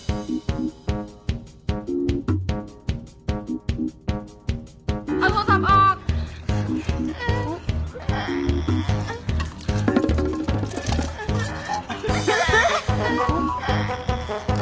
อักษับออก